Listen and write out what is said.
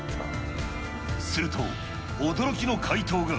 すると、驚きの回答が。